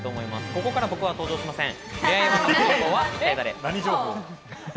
ここからは僕は登場しません。